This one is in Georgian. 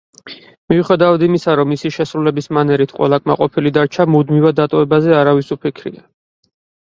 მიუხედავად იმისა, რომ მისი შესრულების მანერით ყველა კმაყოფილი დარჩა, მუდმივად დატოვებაზე არავის უფიქრია.